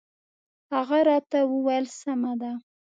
هغه راته وویل سمه ده.